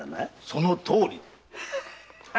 そのとおり！